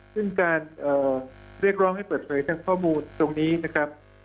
ซึ่งการเรียกร้องให้เปิดเผยทั้งข้อมูลตรงนี้นะครับ